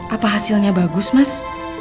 apa hasilnya bagus mas